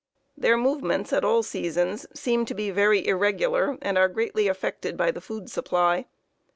Their movements, at all seasons, seem to be very irregular, and are greatly affected by the food supply.